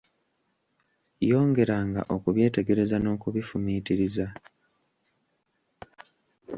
Yongeranga okubyetegereza n'okubifumiitiriza.